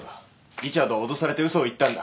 リチャードは脅されて嘘を言ったんだ。